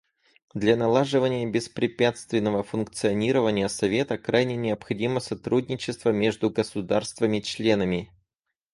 Для налаживания беспрепятственного функционирования Совета крайне необходимо сотрудничество между государствами-членами.